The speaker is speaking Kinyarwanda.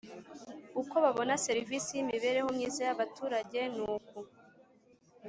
Uko babona serivisi y’ imibereho myiza y’ abaturage nuku